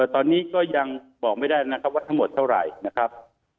ตอนนี้ก็ยังบอกไม่ได้นะครับว่าทั้งหมดเท่าไหร่นะครับ